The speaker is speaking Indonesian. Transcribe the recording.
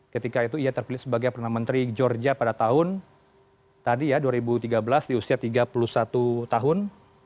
ketika itu ia terpilih sebagai penermenteri georgia pada tahun dua ribu tiga belas di usia tiga puluh satu tahun